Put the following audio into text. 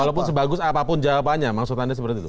walaupun sebagus apapun jawabannya maksud anda seperti itu